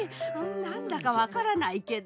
なんだかわからないけど。